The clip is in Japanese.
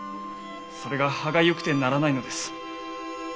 それが歯がゆくてならないのです。